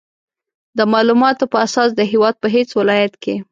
د مالوماتو په اساس د هېواد په هېڅ ولایت کې